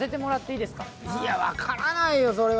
いや、分からないよ、それは。